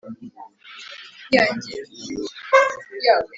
ndya imboga nyinshi cyane